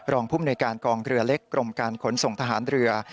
ภูมิในการกองเรือเล็กกรมการขนส่งทหารเรือ